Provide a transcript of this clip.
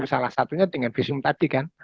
salah satunya dengan visum tadi kan